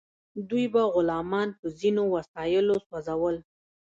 دوی به غلامان په ځینو وسایلو سوځول.